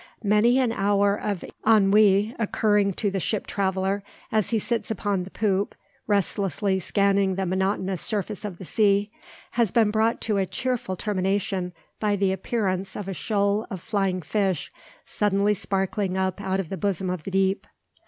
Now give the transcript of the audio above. Many an hour of ennui occurring to the ship traveller, as he sits upon the poop, restlessly scanning the monotonous surface of the sea, has been brought to a cheerful termination by the appearance of a shoal of flying fish suddenly sparkling up out of the bosom of the deep.